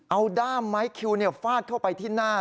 เอาด้ามไม้คิวฟาดเข้าไปที่หน้า